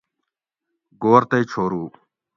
گھور تئ چھورو